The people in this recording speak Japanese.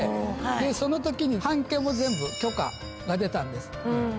その時に版権も全部許可が出たんです。